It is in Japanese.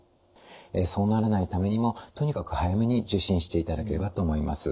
そうならないためにもとにかく早めに受診していただければと思います。